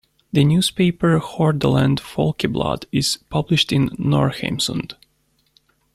The newspaper "Hordaland Folkeblad" is published in Norheimsund.